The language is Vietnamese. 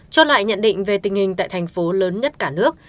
cho lại nhận định về tình hình tại thành phố lớn nhất cả nước